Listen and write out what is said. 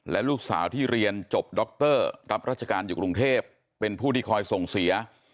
และลูกสาวที่เรียนจบดรรับราชการอยู่กรุงเทพเป็นผู้ที่คอยส่งเสีย